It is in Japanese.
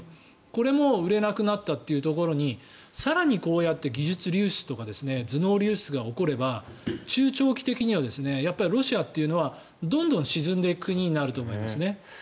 これも売れなくなったというところに更にこうやって技術流出とか頭脳流出が起これば中長期的にはロシアというのはどんどん沈んでいく国になると思います。